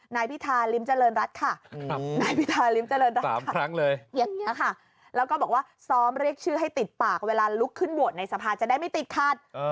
นายพิธาริมเจริญรัฐค่ะนายพิธาริมเจริญรัฐ๓ครั้งเลยอย่างนี้ค่ะแล้วก็บอกว่าซ้อมเรียกชื่อให้ติดปากเวลาลุกขึ้นโหวตในสภาจะได้ไม่ติดขัด